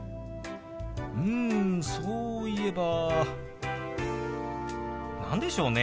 うんそういえば何でしょうね。